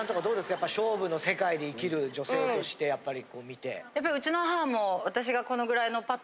やっぱ勝負の世界で生きる女性としてやっぱりこう見て。